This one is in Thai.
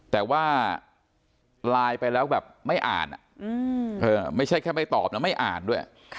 แต่ว่าไลน์ไปแล้วแบบไม่อ่านไม่ใช่แค่ไม่ตอบแล้วไม่อ่านด้วย